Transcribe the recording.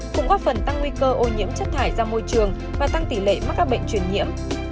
cũng góp phần tăng nguy cơ ô nhiễm chất thải ra môi trường và tăng tỷ lệ mắc các bệnh truyền nhiễm